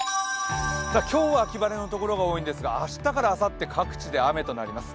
今日は秋晴れのところが多いんですが、明日からあさって各地で雨となります。